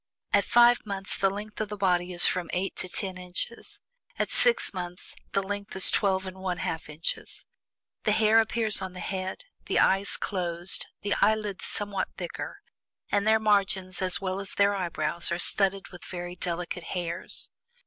At FIVE MONTHS the length of the body is from eight to ten inches. At SIX MONTHS, the length is twelve and one half inches. The hair appears on the head, the eyes closed, the eyelids somewhat thicker, and their margins, as well as their eyebrows, are studded with very delicate hairs.